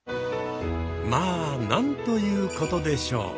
まあなんということでしょう！